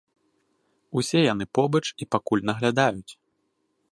Усе яны побач і пакуль наглядаюць.